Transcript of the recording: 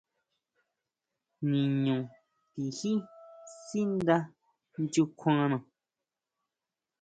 Niño tijí sínda nyukjuana.